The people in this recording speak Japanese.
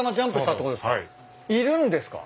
いるんですか？